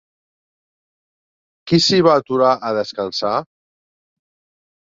Qui s'hi va aturar a descansar?